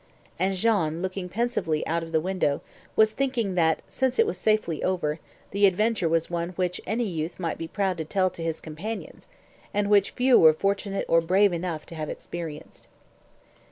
And Jean, looking pensively out of the window, was thinking that since it was safely over, the adventure was one which any youth might be proud to tell to his companions, and which few were fortunate or brave enough to have experienced.